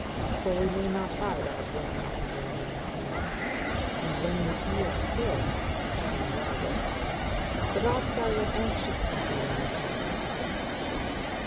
For we may not hide our journey from all men's hearing; and when the ear heareth, the tongue waggeth. But art thou yet anxious concerning this matter, son?"